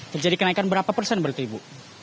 terjadi kenaikan berapa persen berarti ibu